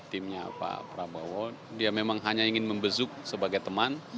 timnya pak prabowo dia memang hanya ingin membesuk sebagai teman